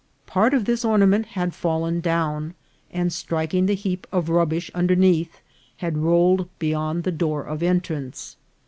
Part of this ornament had fallen down, and, striking the heap of rubbish underneath, had rolled beyond the door of entrance.